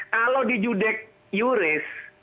kalau di judek yuris